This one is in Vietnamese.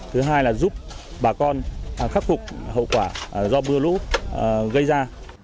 thứ hai là giúp bà con khắc phục hậu quả do mưa lũ gây ra